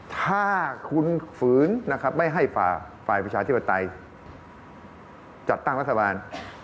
ถ้าคุณฝืนนะครับไม่ให้ฝ่ายประชาธิปไตยจัดตั้งรัฐบาล